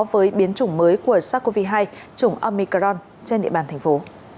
với biến chủng mới của sars cov hai chủng omicron trên địa bàn thành phố